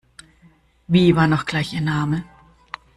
Wie war noch gleich Ihr Name?